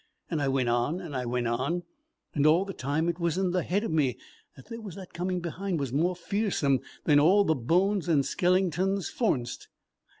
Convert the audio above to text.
And I went on and I went on; and all the time it was in the head of me there was that coming behind was more fearsome than all the bones and skelingtons forninst.